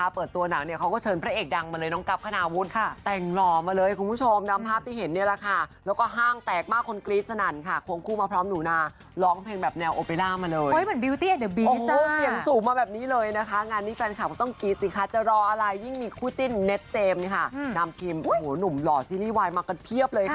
เปิดตัวหนังสมัยมันจะมาแบบธรรมดาไม่ได้